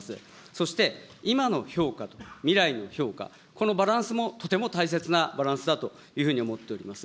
そして、今の評価と未来の評価、このバランスもとても大切なバランスだというふうに思っております。